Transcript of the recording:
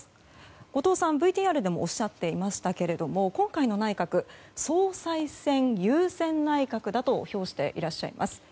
後藤さん、ＶＴＲでもおっしゃっていましたけれども今回の内閣、総裁選優先内閣だと評していらっしゃいます。